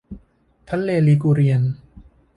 ทะเลลีกูเรียน